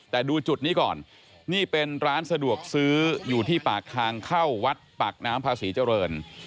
แต่ดูจุดนี้ก่อนนี่เป็นร้านสะดวกซื้ออยู่ที่ปากทางเข้าวัดปากน้ำภาษีเจริญ